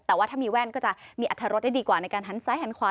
แต่ว่าถ้ามีแว่นก็จะมีอัตรรสได้ดีกว่าในการหันซ้ายหันขวา